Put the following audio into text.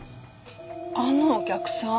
あのお客さん。